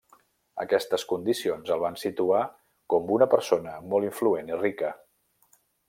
Aquestes condicions el van situar com una persona molt influent i rica.